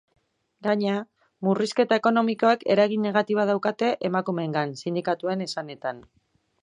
Gainera, murrizketa ekonomikoek eragin negatiboa daukate emakumeengan, sindikatuen esanetan.